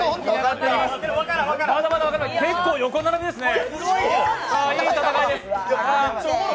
結構横並びですね。